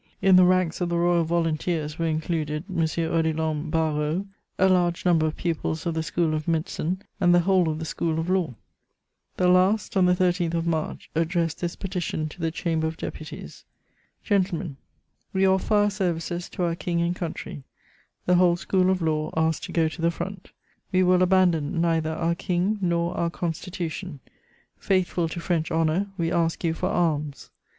In the ranks of the Royal Volunteers were included M. Odilon Barrot, a large number of pupils of the School of Medicine and the whole of the School of Law; the last, on the 13th of March, addressed this petition to the Chamber of Deputies: "GENTLEMEN, "We offer our services to our King and country; the whole School of Law asks to go to the front. We will abandon neither our King nor our Constitution. Faithful to French honour, we ask you for arms.